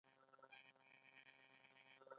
د سرسونو غوړي د مالش لپاره وکاروئ